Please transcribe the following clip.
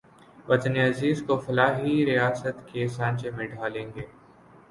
وطن عزیز کو فلاحی ریاست کے سانچے میں ڈھالیں گے